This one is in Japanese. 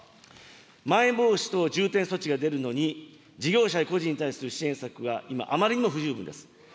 まん延防止等重点措置が出るのに、事業者や個人に対する支援策が今、あまりにも不十分です。